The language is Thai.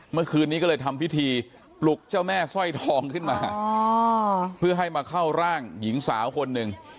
เมื่อคืนนี้ก็เลยทำพิธีปลุกเจ้าแม่สร้อยทองขึ้นมาเพื่อให้มาเข้าร่างหญิงสาวคนหนึ่ง